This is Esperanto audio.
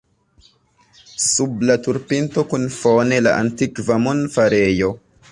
Sub la turpinto kun fone la antikva monfarejo.